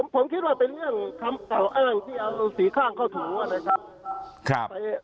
ผมคิดว่าเป็นการเอาอ้างที่เอาสี่ข้างเข้าถ่ายไว้นะครับ